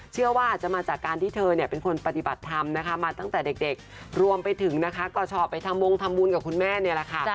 เชื่อว่าอาจจะมาจากการที่เธอเนี่ยเป็นคนปฏิบัติธรรมนะคะมาตั้งแต่เด็กรวมไปถึงนะคะก็ชอบไปทำวงทำบุญกับคุณแม่นี่แหละค่ะ